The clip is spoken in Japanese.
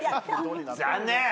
残念！